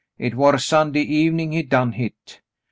Hit war Sunday evenin' he done hit.